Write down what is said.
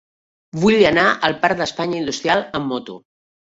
Vull anar al parc de l'Espanya Industrial amb moto.